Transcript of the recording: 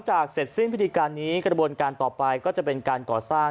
โดยโครงสร้างของตะแกรงที่ทำขึ้นนั้นเป็นการทั่วคราว